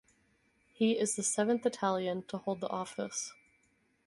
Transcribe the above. He is the seventh Italian to hold the office.